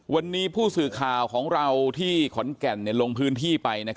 วันนี้ผู้สื่อข่าวของเราที่ขอนแก่นลงพื้นที่ไป